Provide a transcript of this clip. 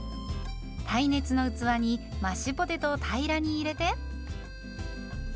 耐熱の器にマッシュポテトを平らに入れて。